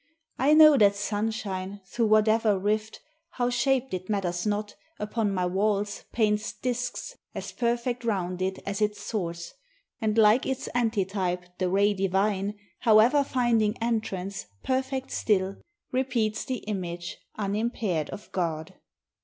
I know that sunshine, through whatever rift, How j.haped it matters not, upon my walls Paints discs as perfect rounded as its source, And, like its antitype, the ray divine, However finding entrance, perfect still, Repeats the image unimpaired of God.